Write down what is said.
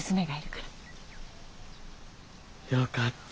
よかった。